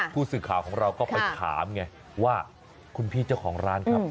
ผู้สื่อข่าวของเราก็ไปถามไงว่าคุณพี่เจ้าของร้านครับ